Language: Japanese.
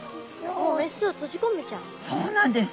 そうなんです。